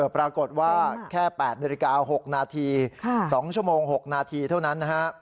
ปรากฏว่าแค่๘นาฬิกา๖นาที๒ชั่วโมง๖นาทีเท่านั้นนะฮะ